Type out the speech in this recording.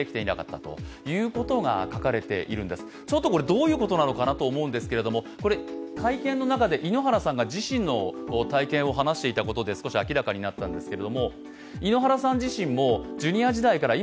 どういうことなのかなと思うんですけれども会見の中で井ノ原さんが自身の体験を話していたことで少し明らかになりました。